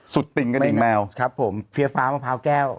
ติ่งกระดิ่งแมวครับผมเฟี้ยฟ้ามะพร้าวแก้ว